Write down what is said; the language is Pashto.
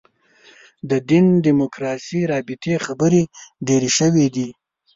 د دین دیموکراسي رابطې خبرې ډېرې شوې دي.